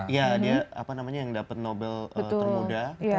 ya dia apa namanya yang dapat nobel termuda